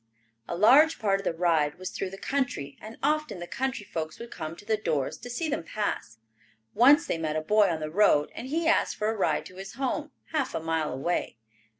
A large part of the ride was through the country, and often the country folks would come to the doors to see them pass. Once they met a boy on the road and he asked for a ride to his home, half a mile away.